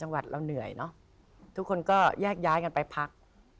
วัดเราเหนื่อยเนอะทุกคนก็แยกย้ายกันไปพัก